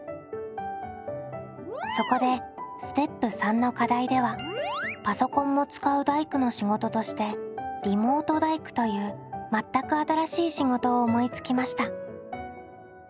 そこでステップ③の課題ではパソコンも使う大工の仕事としてリモート大工という全く新しい仕事を思いつきました。